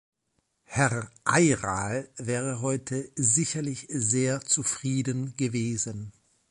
Herr Ayral wäre heute sicherlich sehr zufrieden gewesen.